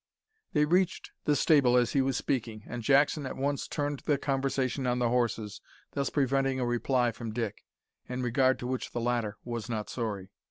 They reached the stable as he was speaking, and Jackson at once turned the conversation on the horses, thus preventing a reply from Dick in regard to which the latter was not sorry.